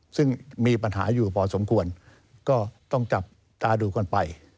ซึ่งมีปัญหาอยู่พอสมควรก็ต้องจับตาดูกันไป